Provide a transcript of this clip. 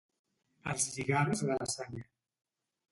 Els lligams de la sang.